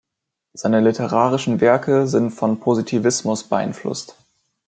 Seine literarischen Werke sind von Positivismus beeinflusst.